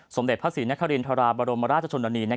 สมเด็จพระศรีนครินทราบรมราชชนนานี